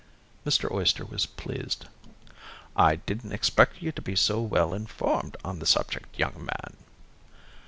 Mr. Oyster was pleased. "I didn't expect you to be so well informed on the subject, young man."